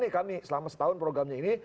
kami selama setahun programnya ini